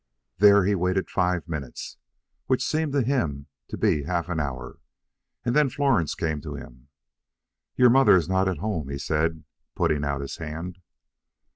There he waited five minutes, which seemed to him to be half an hour, and then Florence came to him. "Your mother is not at home," he said, putting out his hand.